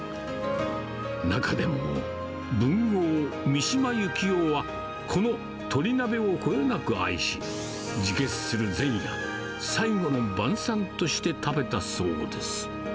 中でも、文豪、三島由紀夫は、この鶏鍋をこよなく愛し、自決する前夜、最後の晩さんとして食べたそうです。